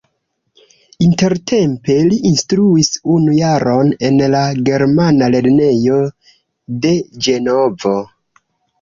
Intertempe li instruis unu jaron en la germana lernejo de Ĝenovo.